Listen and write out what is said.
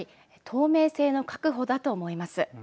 透明性の確保だと思います。